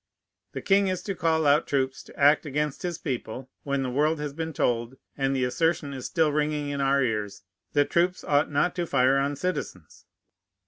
The king is to call out troops to act against his people, when the world has been told, and the assertion is still ringing in our ears, that troops ought not to fire on citizens.